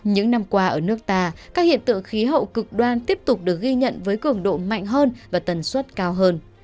những năm qua ở nước ta các hiện tượng khí hậu cực đoan tiếp tục được ghi nhận với cường độ mạnh hơn và tần suất cao hơn